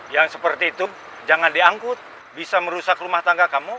yang seperti itu jangan diangkut bisa merusak rumah tangga kamu